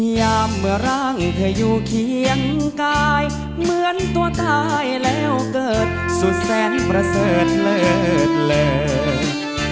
ยามเมื่อร่างเธออยู่เคียงกายเหมือนตัวตายแล้วเกิดสุดแสนประเสริฐเลิศเลย